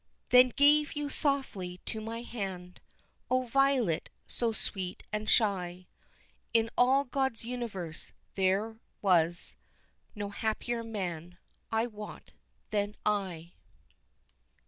Then gave you softly to my hand O, Violet, so sweet and shy! In all God's universe there was No happier man, I wot, than I.